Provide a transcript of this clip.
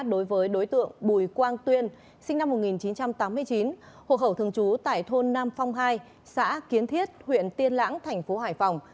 đối với đối tượng bùi quang tuyên sinh năm một nghìn chín trăm tám mươi chín hộ khẩu thường trú tại thôn nam phong hai xã kiến thiết huyện tiên lãng thành phố hải phòng